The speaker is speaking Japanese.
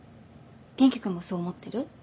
元気君もそう思ってる？